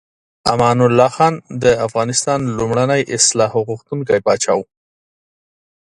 امان الله خان د افغانستان لومړنی اصلاح غوښتونکی پاچا و.